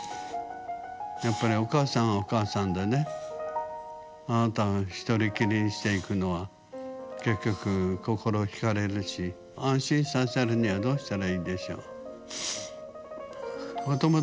やっぱりお母さんはお母さんでねあなたを一人きりにしていくのは結局、心引かれるし安心させるにはどうしたらいいでしょう？